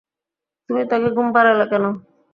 তুমি তাকে ঘুম পাড়ালে কেন?